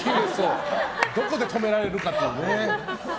どこで止められるかっていうね。